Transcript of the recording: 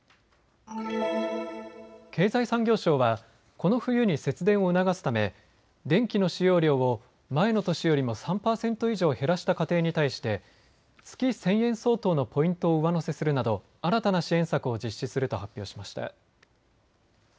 経済産業省はこの冬に節電を促すため電気の使用量を前の年よりも３％以上減らした家庭に対して月１０００円相当のポイントを上乗せするなど新たな支援策を実施すると発表しました。